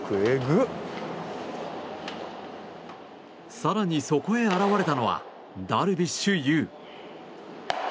更に、そこへ現れたのはダルビッシュ有。